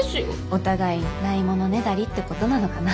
お互いにないものねだりってことなのかな。